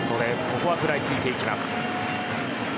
ここは食らいついていきます。